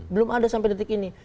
belum ada sampai detik ini